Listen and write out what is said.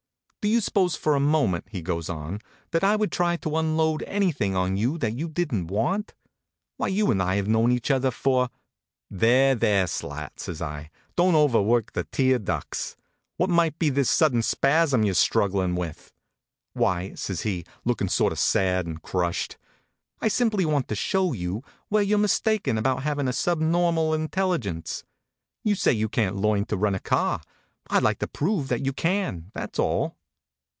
" "Do you suppose for a moment," he goes on, " that I would try to unload any thing on you that you didn t want? Why, HONK, HONK! you and I have known each other for "There, there, Slat!" says I. "Don t overwork the tear ducts. What might be this sudden spasm you re strugglin with?" Why," says he, lookin sort of sad and crushed, " I simply want to show you where you re mistaken about having a subnormal intelligence. You say you can t learn to run a car. I d like to prove to you that you can, that s all."